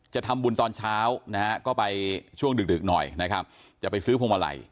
จะทำบุญตอนเช้าก็ไปช่วงดึกหน่อยจะไปซื้อพวงมาลัย